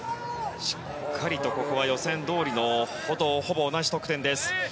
しっかりとここは予選とほぼ同じ得点です。